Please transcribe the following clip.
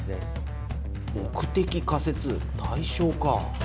目的仮説対象かぁ。